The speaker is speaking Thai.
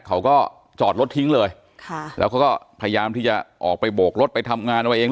เขาก็จอดรถทิ้งเลยค่ะแล้วเขาก็พยายามที่จะออกไปโบกรถไปทำงานเอาเอง